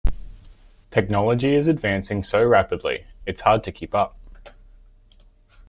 Technology is advancing so rapidly, it's hard to keep up.